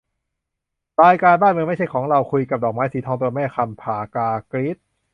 รายการ 'บ้านเมืองไม่ใช่ของเรา' คุยกับ ดอกไม้สีทอง ตัวแม่ 'คำ ผกา' กรี๊ด